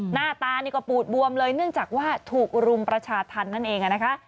หน้าตานี่ก็ปูดบวมเลยเนื่องจากว่าถูกรุมประชาธรรมนั่นเองนะคะ